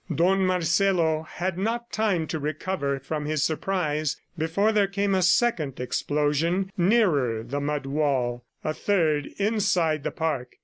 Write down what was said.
Don Marcelo had not time to recover from his surprise before there came a second explosion nearer the mud wall ... a third inside the park.